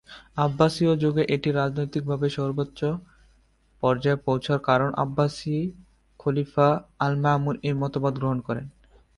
আব্বাসীয় যুগে এটি রাজনৈতিকভাবে সর্বোচ্চ পর্যায়ে পৌঁছায় কারণ আব্বাসীয় খলিফা আল-মামুন এই মতবাদ গ্রহণ করেন।